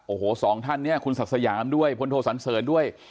โอ้โหสองท่านเนี่ยคุณศักดิ์สยามด้วยพลโทสันเสริญด้วย